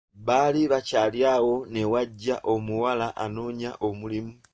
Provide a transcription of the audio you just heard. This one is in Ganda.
Baali bakyali awo newajja omuwala anoonya omulimu.